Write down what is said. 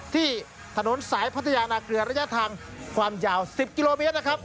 ที่ถนนสายพัทยานาเกลือระยะทางความยาว๑๐กิโลเมตรนะครับ